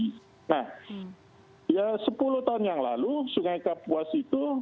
nah sepuluh tahun yang lalu sungai kapuas itu